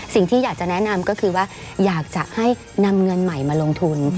สิ่งที่อยากจะแนะนำก็คือว่าอยากจะให้นำเงินใหม่มาลงทุน